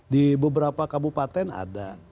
di beberapa kabupaten ada